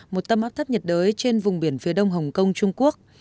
một tâm áp thấp nhiệt đới trên vùng biển phía đông hồng kông trung quốc